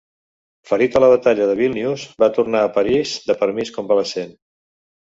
Ferit a la batalla de Vílnius, va tornar a París de permís convalescent.